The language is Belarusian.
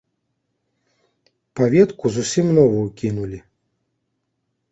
Паветку зусім новую кінулі.